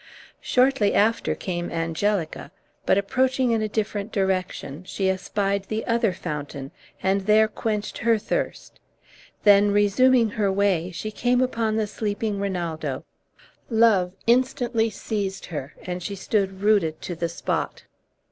Shortly after came Angelica, but, approaching in a different direction, she espied the other fountain, and there quenched her thirst. Then resuming her way, she came upon the sleeping Rinaldo. Love instantly seized her, and she stood rooted to the spot.